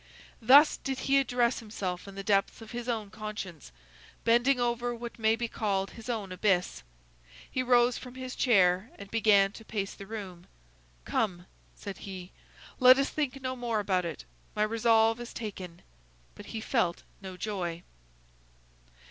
Thus did he address himself in the depths of his own conscience, bending over what may be called his own abyss; he rose from his chair, and began to pace the room: "Come," said he, "let us think no more about it; my resolve is taken!" but he felt no joy.